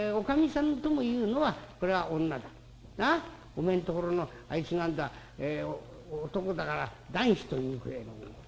おめえんところのあいつなんざ男だから男子というくれえのものだ。